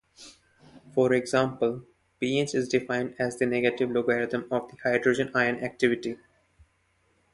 For example, pH is defined as the negative logarithm of the hydrogen ion activity.